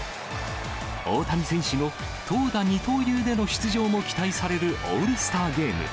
大谷選手の投打二刀流での出場も期待されるオールスターゲーム。